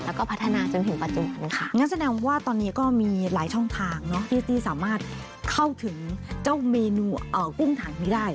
แล้วก็พัฒนาจนถึงปัจจุบันค่ะงั้นแสดงว่าตอนนี้ก็มีหลายช่องทางเนาะที่สามารถเข้าถึงเจ้าเมนูกุ้งถังนี้ได้